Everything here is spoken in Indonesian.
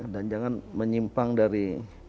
dan jangan menyimpang dari